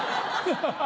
ハハハ！